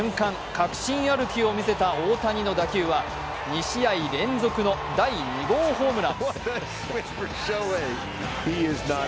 確信歩きを見せた大谷の打球は２試合連続の第２号ホームラン。